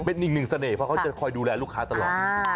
เป็นอีกหนึ่งเสน่ห์เพราะเขาจะคอยดูแลลูกค้าตลอด